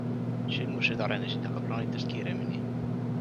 Sündmused arenesid aga plaanitust kiiremini.